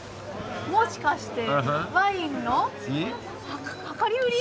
もしかしてワインの量り売り？